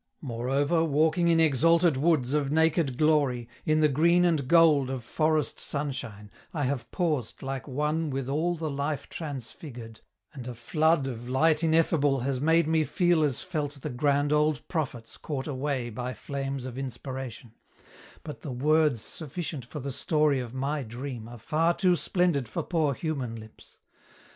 Moreover, walking in exalted woods Of naked glory, in the green and gold Of forest sunshine, I have paused like one With all the life transfigured; and a flood Of light ineffable has made me feel As felt the grand old prophets caught away By flames of inspiration; but the words Sufficient for the story of my Dream Are far too splendid for poor human lips.